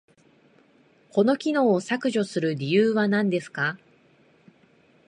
この機能を削除する理由は何ですか？